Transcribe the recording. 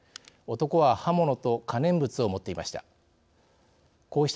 男は刃物と可燃物を持っていました。